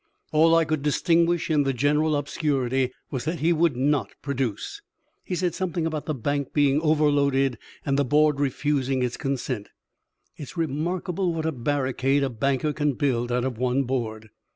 All I could distinguish in the general obscurity was that he would not produce. He said something about the bank being overloaded and the board refusing its consent. It's remarkable what a barricade a banker can build out of one board."